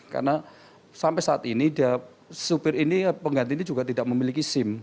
karena sampai saat ini supir ini pengganti ini juga tidak memiliki sim